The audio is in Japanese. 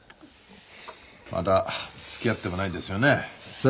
まだ付き合ってもないですよね？